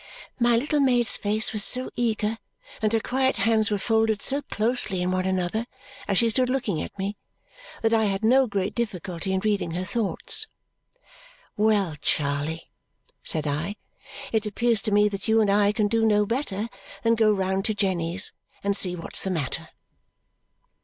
My little maid's face was so eager and her quiet hands were folded so closely in one another as she stood looking at me that I had no great difficulty in reading her thoughts. "Well, Charley," said I, "it appears to me that you and I can do no better than go round to Jenny's and see what's the matter."